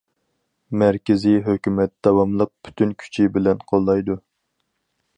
مەركىزىي ھۆكۈمەت داۋاملىق پۈتۈن كۈچى بىلەن قوللايدۇ.